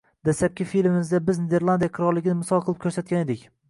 Dastlabki filmimizda biz Niderlandiya qirolligini misol qilib ko‘rsatgan edik.